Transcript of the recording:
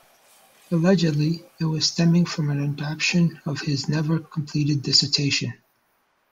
Allegedly, it was stemming from an adaption of his never completed dissertation.